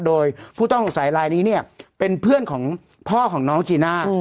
โดยผู้ต้องสงสัยลายนี้เนี่ยเป็นเพื่อนของพ่อของน้องจีน่า